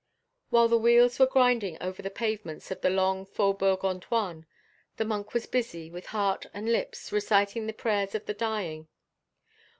While the wheels were grinding over the pavement of the long Faubourg Antoine, the monk was busy, with heart and lips, reciting the prayers of the dying.